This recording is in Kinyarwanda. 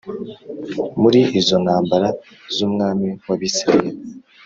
Muri izo ntambara z umwami w Abisirayeli